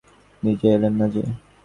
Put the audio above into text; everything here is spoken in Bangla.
নিজে এলেন না যে?